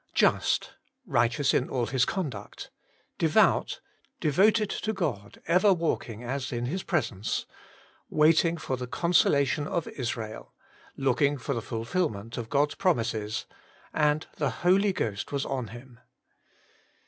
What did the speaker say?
Just^ righteous in all his con duct ; devout^ devoted to God, ever walking as in His presence ; waiting for the consolation of Israeli looking for the fulfilment of God's pro mises : and the Holy Ghost was on him.